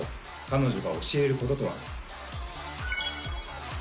彼女が教えることとは？